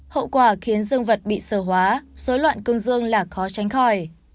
hậu quả khiến dương vật bị sợ hóa dối loạn cương dương là khó tránh khỏi